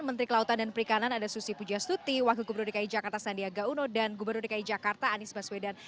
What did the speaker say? menteri kelautan dan perikanan ada susi pujastuti wakil gubernur dki jakarta sandiaga uno dan gubernur dki jakarta anies baswedan